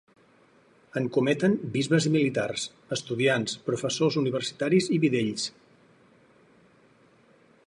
En cometen bisbes i militars, estudiants, professors universitaris i bidells.